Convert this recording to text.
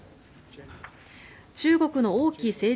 中国の王毅政治